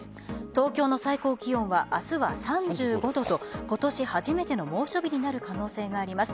東京の最高気温は明日は３５度と今年初めての猛暑日になる可能性があります。